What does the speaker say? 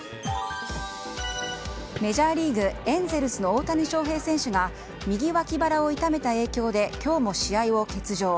メジャーリーグエンゼルスの大谷翔平選手が右脇腹を痛めた影響で今日も試合を欠場。